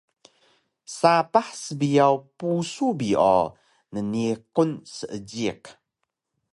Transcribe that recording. Sapah sbiyaw pusu bi o nniqun seejiq